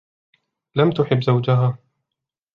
لم تحب زوجها.